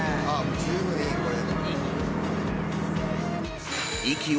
十分いいこれ。